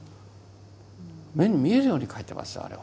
目に見えるように書いてますよあれは。